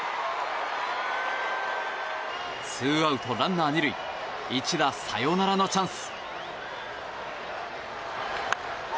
ツーアウトランナー２塁一打サヨナラのチャンス。